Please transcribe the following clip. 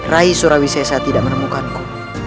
rai surawisesa tidak menemukanku